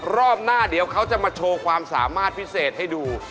รอบหน้าเดี๋ยวเขาจะมาโชว์ความสามารถพิเศษให้ดู